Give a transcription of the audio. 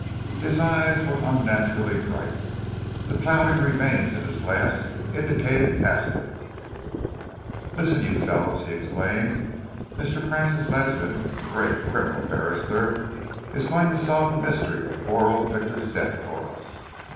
His eyes were unnaturally bright, the cloudy remains in his glass indicated absinthe. "Listen, you fellows!" he exclaimed. "Mr. Francis Ledsam, the great criminal barrister, is going to solve the mystery of poor old Victor's death for us!"